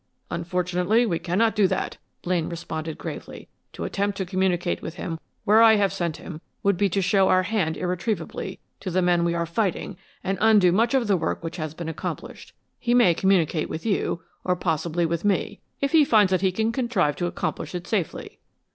"Unfortunately, we cannot do that!" Blaine responded, gravely. "To attempt to communicate with him where I have sent him would be to show our hand irretrievably to the men we are fighting and undo much of the work which has been accomplished. He may communicate with you or possibly with me, if he finds that he can contrive to accomplish it safely."